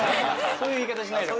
そういう言い方しないから。